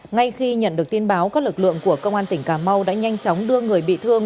ngay khi nhận được tin báo các lực lượng của công an tỉnh cà mau đã nhanh chóng đưa người bị thương